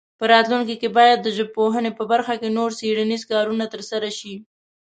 په راتلونکي کې باید د ژبپوهنې په برخه کې نور څېړنیز کارونه ترسره شي.